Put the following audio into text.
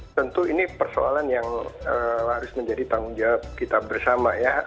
tentu ini persoalan yang harus menjadi tanggung jawab kita bersama ya